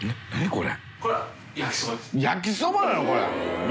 これ。